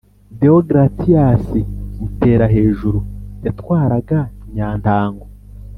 Deogratias Muterahejuru yatwaraga Nyantango.